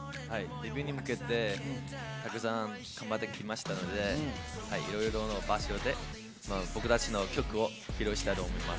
デビューに向けてたくさん頑張ってきましたので、いろんな場所で僕たちの曲を披露したいと思います。